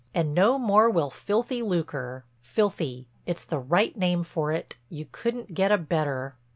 And no more will filthy lucre. Filthy—it's the right name for it, you couldn't get a better."